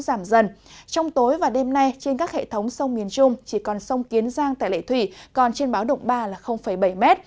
giảm dần trong tối và đêm nay trên các hệ thống sông miền trung chỉ còn sông kiến giang tại lệ thủy còn trên báo động ba là bảy m